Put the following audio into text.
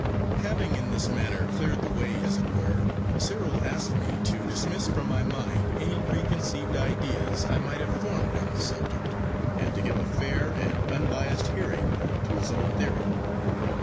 'Having in this manner cleared the way as it were, Cyril asked me to dismiss from my mind any preconceived ideas I might have formed on the subject, and to give a fair and unbiassed hearing to his own theory.